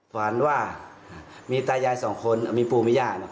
ฝันว่ามีตายายสองคนมีปู่มีย่า